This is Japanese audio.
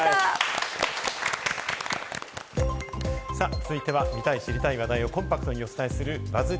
続いては見たい知りたい話題をコンパクトにお伝えするＢＵＺＺ